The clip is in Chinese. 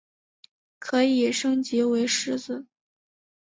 可以升级为狮子。